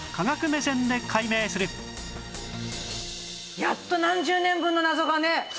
やっと何十年分の謎がね